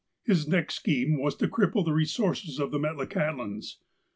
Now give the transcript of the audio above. His next scheme was to cripple the resources of the Metlakahtlans.